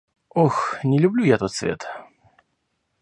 Ох, не люблю я тот свет!